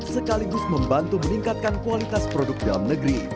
sekaligus membantu meningkatkan kualitas produk dalam negeri